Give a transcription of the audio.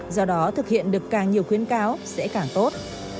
do đó thực hiện được càng nhiều khuyến cáo sẽ càng tốt